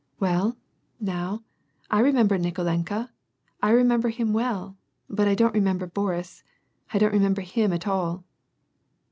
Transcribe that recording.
" Well, now, I remember Nikolenka, I remember him well; but I don't remember Boris. I don't remember him at all."